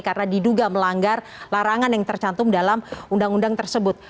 karena diduga melanggar larangan yang tercantum dalam undang undang tersebut